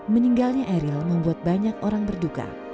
meninggalnya eril membuat banyak orang berduka